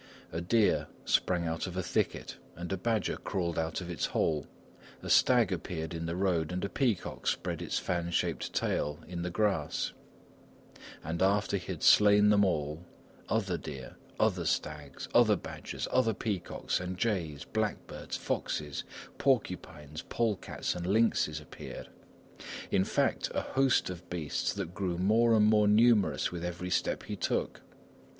A deer sprang out of the thicket and a badger crawled out of its hole, a stag appeared in the road, and a peacock spread its fan shaped tail on the grass and after he had slain them all, other deer, other stags, other badgers, other peacocks, and jays, blackbirds, foxes, porcupines, polecats, and lynxes, appeared; in fact, a host of beasts that grew more and more numerous with every step he took.